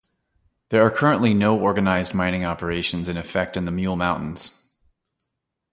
There are currently no organized mining operations in effect in the Mule Mountains.